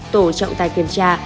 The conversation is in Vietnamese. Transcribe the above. tổ trọng tài kiểm tra